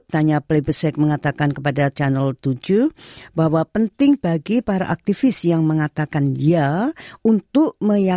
tapi pertanyaan kami adalah bagaimana kita bisa mengucapkannya